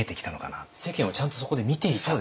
世間をちゃんとそこで見ていたと。